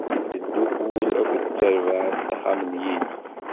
Neddukul akken d tarbaɛt s axxam n Yillu.